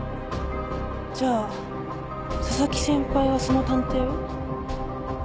じゃあ紗崎先輩はその探偵を？